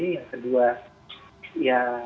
yang kedua ya